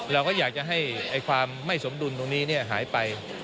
เราก็อยากจะให้ความไม่สมดุลตรงนี้หายไป